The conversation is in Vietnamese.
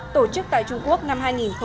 tổ chức tại trung quốc năm hai nghìn một mươi tám